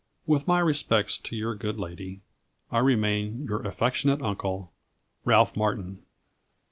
With my respects to your good lady, "I remain your affectionate uncle, "RALPH MARTIN."